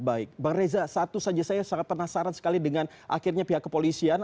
baik bang reza satu saja saya sangat penasaran sekali dengan akhirnya pihak kepolisian